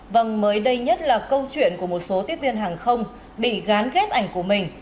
vâng mới đây nhất là câu chuyện của một số tiếp viên hàng không bị gán ghép ảnh của mình